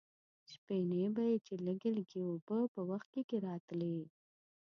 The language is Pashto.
شپېنۍ به یې چې لږې لږې اوبه په وښکي کې راتلې.